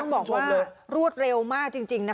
บอกว่ารวดเร็วมากจริงนะคะ